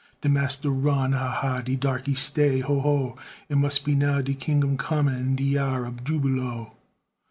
De massa run, ha, ha! De darkey stay, ho, ho! It mus' be now de kingdum comin', An' de yar ob jubilo.